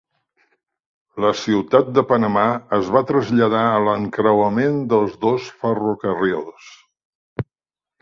La ciutat de Panamà es va traslladar a l'encreuament dels dos ferrocarrils.